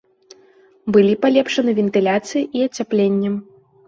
Былі палепшаны вентыляцыя і ацяпленне.